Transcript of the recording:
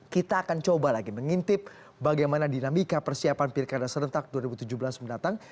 kita akan coba lagi mengintip bagaimana dinamika persiapan pilkada serentak dua ribu tujuh belas mendatang